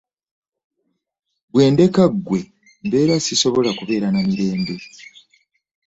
Bwendeka gwe mbeera sisobola kubeera na mirembe.